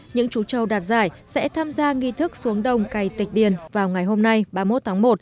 những chú châu đạt giải sẽ tham gia nghi thức xuống đồng cày tịch điền vào ngày hôm nay ba mươi một tháng một